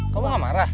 kamu gak marah